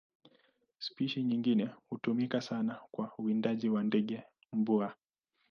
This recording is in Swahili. Spishi nyingine hutumika sana kwa uwindaji kwa ndege mbuai.